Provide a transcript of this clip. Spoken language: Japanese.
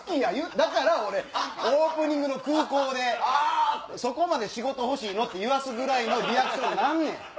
だからオープニングの空港でそこまで仕事欲しいの？って言わすぐらいのリアクションになんねん！